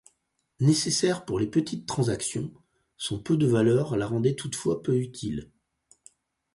Nécessaire pour les petites transactions, son peu de valeur la rendait toutefois peu utile.